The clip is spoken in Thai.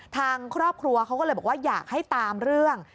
ทางครอบครัวเขาก็เลยบอกว่าอยากให้ตามเรื่อง